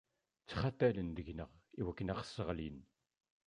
Ttxatalen deg-nneɣ iwakken a aɣ-sseɣlin.